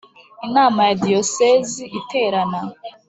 Inama Ya Diyosezi Iterana